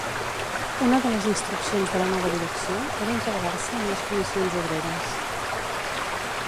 Una de les instruccions de la nova direcció era integrar-se en les Comissions Obreres.